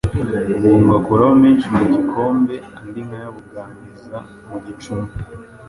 Ubwo ngakuraho menshi mu gikombe andi nkayabuganiza mu gicuba.